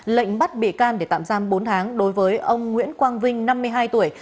lệnh bắt bị can để tạm giam bốn tháng đối với ông nguyễn quang vinh năm mươi hai tuổi